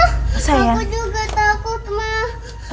aku juga takut ma